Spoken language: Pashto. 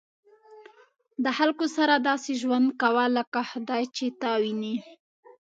د خلکو سره داسې ژوند کوه لکه خدای چې تا ویني.